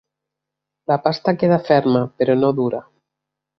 La pasta queda ferma però no dura.